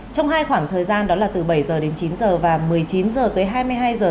trong hai khoảng thời gian đó là từ bảy giờ đến chín giờ và một mươi chín giờ tới hai mươi hai giờ